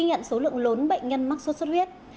nhận số lượng lốn bệnh nhân mắc sốt xuất huyết